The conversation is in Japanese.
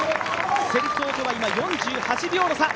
先頭とは今、４８秒の差。